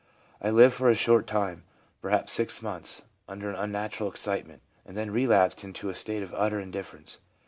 I lived for a short time, perhaps six months, under an unnatural excitement, and then relapsed into a state of utter indifference.